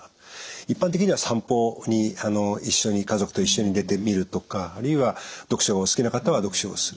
一般的には散歩に一緒に家族と一緒に出てみるとかあるいは読書がお好きな方は読書をする。